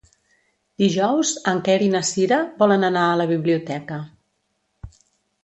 Dijous en Quer i na Cira volen anar a la biblioteca.